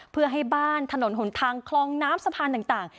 เพื่อให้บ้านถนนหนทางคลองน้ำสะพานต่าง